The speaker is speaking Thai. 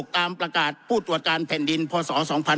ตามประกาศผู้ตรวจการแผ่นดินพศ๒๕๕๙